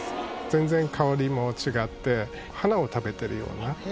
全然香りも違って花を食べてるような味わいです。